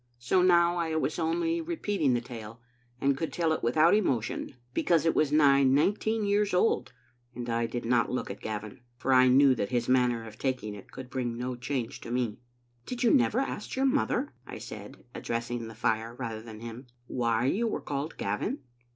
So now I was only repeating the tale, and I could tell it without emotion, because it was nigh nineteen years old; and I did not look at Gavin, for I knew that his manner of taking it could bring no change to me. "Did you never ask your mother," I said, addressing the fire rather than him, " why you were called Gavin?"